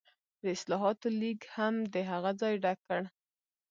د اصلاحاتو لیګ هم د هغه ځای ډک کړ.